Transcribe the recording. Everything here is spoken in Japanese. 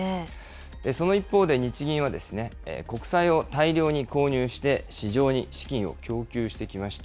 その一方で、日銀は、国債を大量に購入して、市場に資金を供給してきました。